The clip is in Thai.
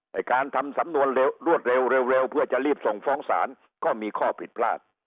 การทำสำนวนรวดเร็วเพื่อจะรีบส่งฟ้องศาลก็มีข้อผิดพลาด